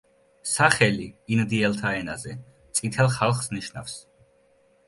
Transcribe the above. სახელი ინდიელთა ენაზე „წითელ ხალხს“ ნიშნავს.